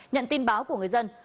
nhận tin báo của người dân